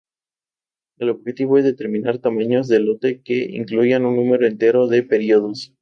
El objetivo es determinar tamaños de lote que incluyan un número entero de periodos.